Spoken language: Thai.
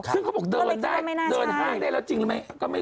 ซึ่งเขาบอกเดินได้เดินห้างได้แล้วจริงหรือไม่